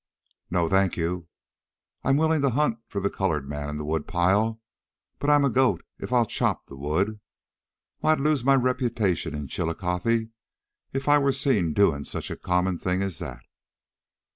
"No, thank you. I'm willing to hunt for the colored man in the woodpile, but I'm a goat if I'll chop the wood. Why, I'd lose my reputation in Chillicothe if I were seen doing such a common thing as that."